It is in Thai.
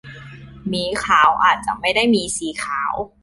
หมีขาว อาจจะไม่ได้มีสีขาว